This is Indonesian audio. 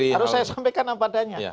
harus saya sampaikan apa adanya